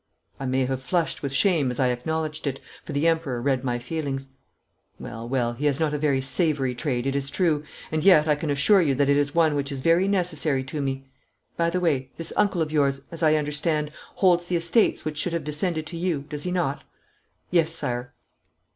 I may have flushed with shame as I acknowledged it, for the Emperor read my feelings. 'Well, well, he has not a very savoury trade, it is true, and yet I can assure you that it is one which is very necessary to me. By the way, this uncle of yours, as I understand, holds the estates which should have descended to you, does he not?' 'Yes, Sire.'